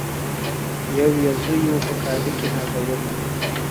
یو يې زوی وو په کهاله کي نازولی.